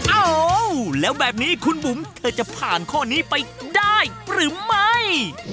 เอ้าแล้วแบบนี้คุณบุ๋มเธอจะผ่านข้อนี้ไปได้หรือไม่